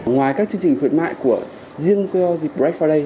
ngoài các chương trình khuyến mại của riêng keozip break friday